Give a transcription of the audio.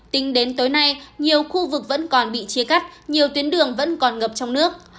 tính đến tối nay nhiều khu vực vẫn còn bị chia cắt nhiều tuyến đường vẫn còn ngập trong nước